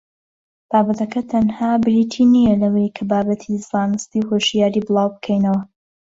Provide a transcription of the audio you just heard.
بابەتەکە تەنها بریتی نییە لەوەی کە بابەتی زانستی و هۆشیاری بڵاوبکەینەوە